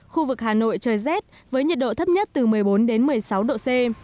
khu vực hà nội trời rét với nhiệt độ thấp nhất từ một mươi bốn đến một mươi sáu độ c